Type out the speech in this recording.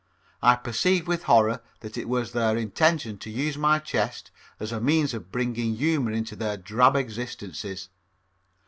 I perceived with horror that it was their intention to use my chest as a means of bringing humor into their drab existences.